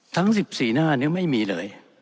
ทั้ง๑๔หน้านี้ไม่มีเลย